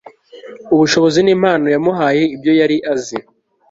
ubushobozi nimpano yamuhaye Ibyo yari azi